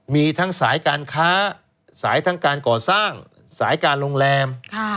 มีทั้งสายการค้าสายทั้งการก่อสร้างสายการโรงแรม